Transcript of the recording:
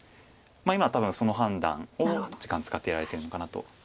今多分その判断を時間使ってやられてるのかなと。